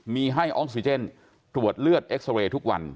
มีให้ออกซิเจนตรวจเลือดเอ็กซาเรย์ทุกวัน